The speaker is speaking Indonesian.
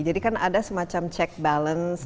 jadi kan ada semacam check balance